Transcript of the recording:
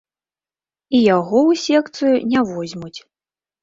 І яго ў секцыю не возьмуць.